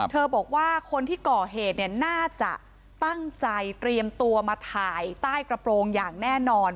บอกว่าคนที่ก่อเหตุเนี่ยน่าจะตั้งใจเตรียมตัวมาถ่ายใต้กระโปรงอย่างแน่นอน